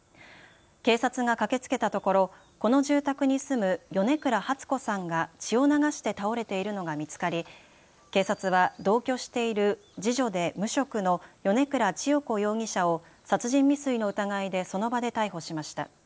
警察が駆けつけたところこの住宅に住む米倉初子さんが血を流して倒れているのが見つかり警察は同居している次女で無職の米倉初子容疑者を殺人未遂の疑いでその場で逮捕しました。